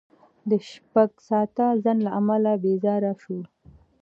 د شپږ ساعته ځنډ له امله بېزاره شوو.